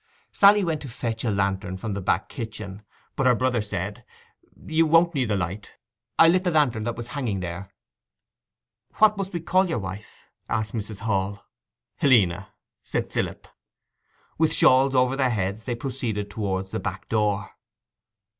Sally went to fetch a lantern from the back kitchen, but her brother said, 'You won't want a light. I lit the lantern that was hanging there.' 'What must we call your wife?' asked Mrs. Hall. 'Helena,' said Philip. With shawls over their heads they proceeded towards the back door.